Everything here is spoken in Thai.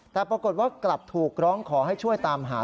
แต่ปรากฏว่ากลับถูกร้องขอให้ช่วยตามหา